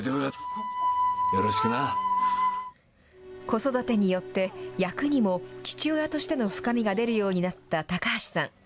子育てによって、役にも父親としての深みが出るようになった高橋さん。